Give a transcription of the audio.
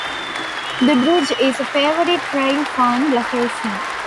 The bridge is a favorite railfan location.